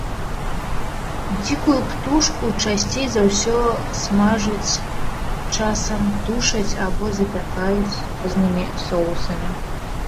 Дзікую птушку часцей за ўсё смажаць, часам тушаць або запякаюць з рознымі соусамі.